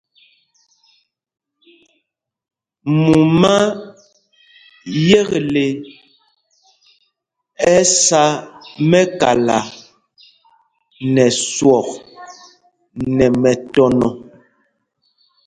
Mumá yekle ɛ sá mɛ́kala mɛ swɔk nɛ mɛtɔnɔ.